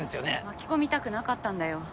巻き込みたくなかったんだよ。